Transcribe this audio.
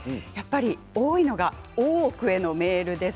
多いのが「大奥」へのメールです。